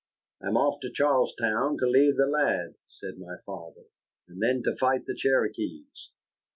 "I'm off to Charlestown to leave the lad," said my father, "and then to fight the Cherokees."